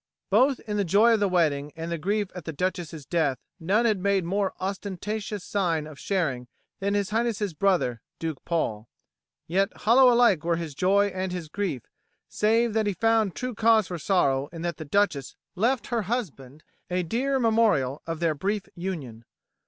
Both in the joy of the wedding and the grief at the Duchess's death, none had made more ostentatious sign of sharing than His Highness's brother, Duke Paul. Yet hollow alike were his joy and his grief, save that he found true cause for sorrow in that the Duchess left to her husband a dear memorial of their brief union.